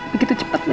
begitu cepat menikah